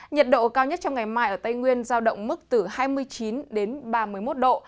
nhiệt độ cao nhất trong ngày mai ở tây nguyên giao động mức từ hai mươi chín đến ba mươi một độ